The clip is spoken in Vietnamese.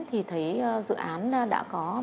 thì thấy dự án đã có